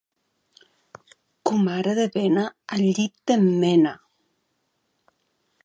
Comare de bena al llit te l'emmena.